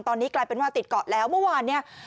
ตอนนี้กลายเป็นว่าติดเกาะแล้วเมื่อวานเนี่ย